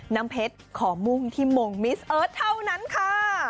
น้ำเพชรขอมุ่งที่มงมิสเอิร์ทเท่านั้นค่ะ